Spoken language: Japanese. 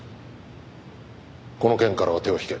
この件からは手を引け。